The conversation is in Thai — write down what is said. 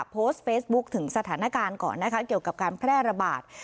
โพสต์เฟซบุ๊คถึงสถานการณ์ก่อนนะคะเกี่ยวกับการแพร่ระบาด